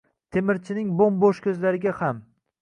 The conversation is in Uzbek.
Temirchining bo’mbo’sh ko’zlariga ham